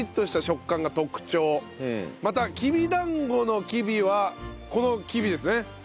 またきびだんごの「きび」はこのきびですね。